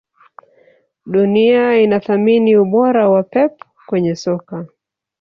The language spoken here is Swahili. Dunia inathamini ubora wa Pep kwenye soka